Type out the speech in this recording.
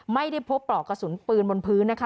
ไม่ได้พบปลอกกระสุนปืนบนพื้นนะคะ